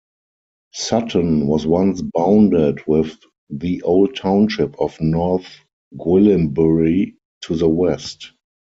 Sutton was once bounded with the old township of North Gwillimbury to the west.